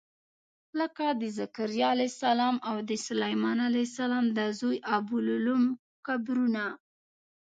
لکه د ذکریا علیه السلام او د سلیمان علیه السلام د زوی ابولوم قبرونه.